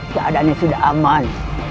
keadaan ini sudah aman